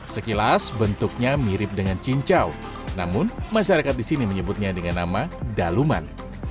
sekilas bentuknya mirip dengan cincau namun masyarakat di sini menyebutnya dengan nama daluman